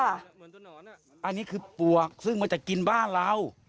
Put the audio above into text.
อันนี้คือปวกซึ่งมันจะกินบ้านเรา